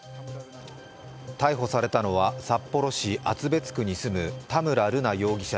逮捕されたのは札幌市厚別区に住む田村瑠奈容疑者